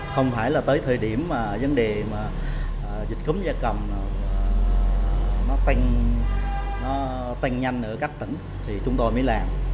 không phải là tới thời điểm vấn đề dịch cúm gia cầm nó tanh nhanh ở các tỉnh thì chúng tôi mới làm